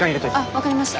分かりました。